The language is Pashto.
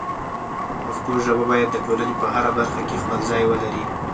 پښتو ژبه باید د ټولنې په هره برخه کې خپل ځای ولري.